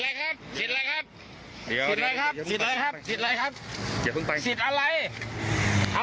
สิทธิ์อะไรครับสิทธิ์อะไรครับ